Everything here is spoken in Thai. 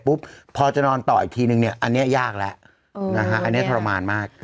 เสร็จปุ๊บพอจะนอนต่ออีกทีนึงเนี่ยอันนี้ยากแล้วอันนี้ทรมานมาก